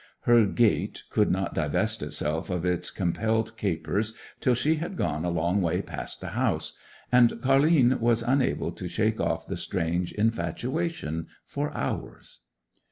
Her gait could not divest itself of its compelled capers till she had gone a long way past the house; and Car'line was unable to shake off the strange infatuation for hours.